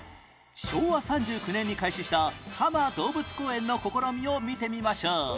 昭和３９年に開始した多摩動物公園の試みを見てみましょう